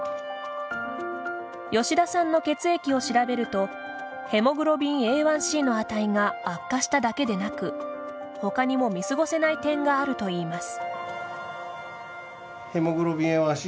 吉田さんの血液を調べるとヘモグロビンＡ１ｃの値が悪化しただけでなく他にも見過ごせない点があるといいます。